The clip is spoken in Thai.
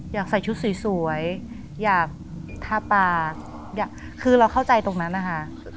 อยากใส่ชุดสวยอยากทาปากอยากคือเราเข้าใจตรงนั้นนะคะ